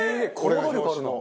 行動力あるな。